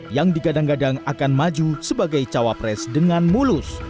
yang digadang gadang akan maju sebagai cawapres dengan mulus